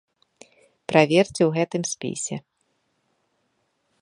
Праверце ў гэтым спісе.